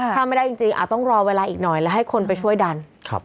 ถ้าไม่ได้จริงต้องรอเวลาอีกหน่อยแล้วให้คนไปช่วยดัน